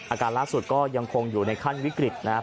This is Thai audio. อาการล่าสุดก็ยังคงอยู่ในขั้นวิกฤตนะครับ